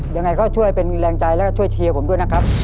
ยังไงก็ช่วยเป็นแรงใจแล้วก็ช่วยเชียร์ผมด้วยนะครับ